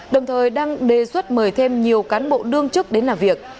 đồng thời đang đề xuất mời thêm nhiều cán bộ đương chức đến làm việc